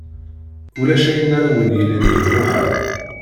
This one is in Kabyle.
Ulac ayen ara wen-yilin d lmuḥal.